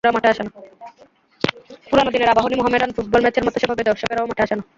পুরোনো দিনের আবাহনী-মোহামেডান ফুটবল ম্যাচের মতো সেভাবে দর্শকেরাও মাঠে আসে না।